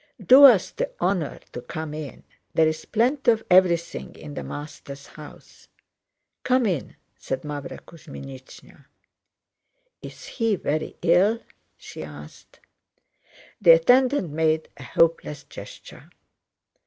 "Do us the honor to come in, there's plenty of everything in the master's house. Come in," said Mávra Kuzmínichna. "Is he very ill?" she asked. The attendant made a hopeless gesture.